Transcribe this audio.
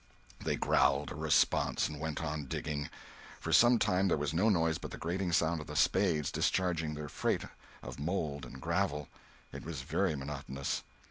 They growled a response and went on digging. For some time there was no noise but the grating sound of the spades discharging their freight of mould and gravel. It was very monotonous.